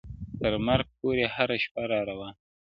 تر مرگه پوري هره شـــپــــــه را روان.